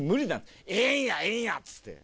「ええんやええんや」っつって。